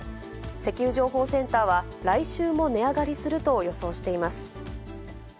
石油情報センターは、来週も値上がりすると予想しています。